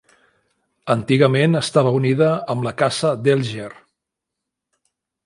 Antigament estava unida amb la Casa Delger.